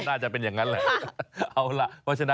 น่าจะเป็นอย่างนั้นแหละ